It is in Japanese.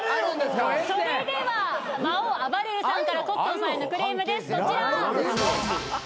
それでは魔王あばれるさんからコットンさんへのクレームですこちら。